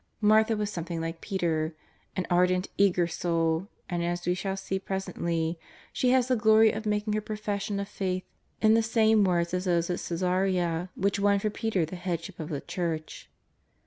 Martha was something like Peter, an ardent, eager soul, and, as we shall sec presently, she has the glory of making her profession of faith in the same words as those at C^csarea, which won for Peter the Headship of the Church.